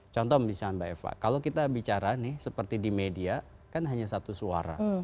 contoh misalnya mbak eva kalau kita bicara nih seperti di media kan hanya satu suara